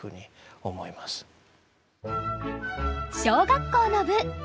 小学校の部。